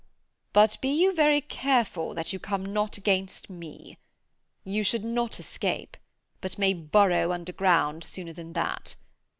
But be you very careful that you come not against me. You should not escape, but may burrow underground sooner than that.